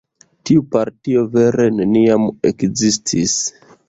Tiu partio vere neniam ekzistis.